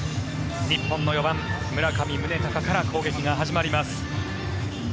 日本の４番、村上宗隆から攻撃が始まります。